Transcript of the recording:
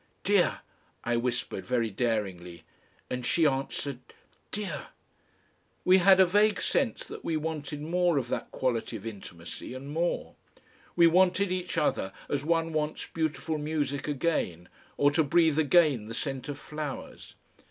"Dear," I whispered very daringly, and she answered, "Dear!" We had a vague sense that we wanted more of that quality of intimacy and more. We wanted each other as one wants beautiful music again or to breathe again the scent of flowers.